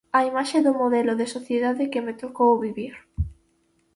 A imaxe do modelo de sociedade que me tocou vivir.